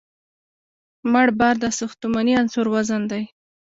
مړ بار د ساختماني عنصر وزن دی